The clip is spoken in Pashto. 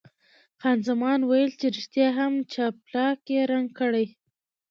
خان زمان ویل چې ریښتیا هم جاپلاک یې رنګ کړی.